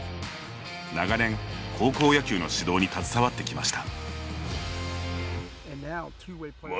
長年、高校野球の指導に携わってきました。